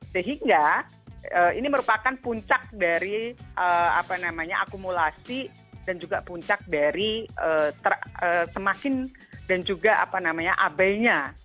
sehingga ini merupakan puncak dari apa namanya akumulasi dan juga puncak dari semakin dan juga apa namanya abelnya